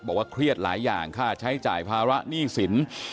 เครียดหลายอย่างค่าใช้จ่ายภาระหนี้สิน